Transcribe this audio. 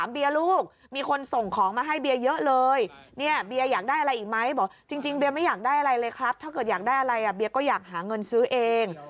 เบียก็อยากหาเงินซื้อเอง